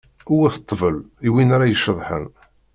Wwet ṭṭbel, i win ara iceḍḥen!